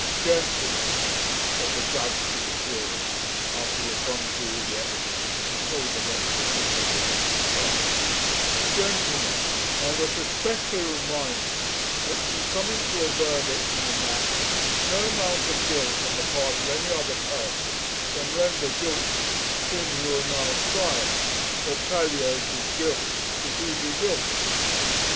'Gentlemen,' said the judge to the jurors, after he had gone through all the evidence, and told them what was admissible, and what was not 'gentlemen, I must especially remind you, that in coming to a verdict in the matter, no amount of guilt on the part of any other person can render guiltless him whom you are now trying, or palliate his guilt if he be guilty.